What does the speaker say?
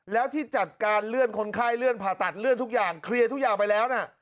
แล้วที่จัดการเลื่อนคนไข้เลื่อนผ่าตัดเลื่อนทุกอย่างเคลียร์ทุกอย่างไปแล้วนะ